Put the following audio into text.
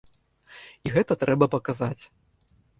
І гэта трэба паказаць.